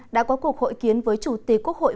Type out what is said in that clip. đã có cuộc hội kiến với chủ tịch quốc hội